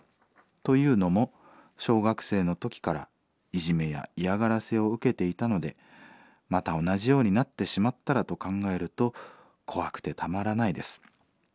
というのも小学生の時からいじめや嫌がらせを受けていたのでまた同じようになってしまったらと考えると怖くてたまらないです。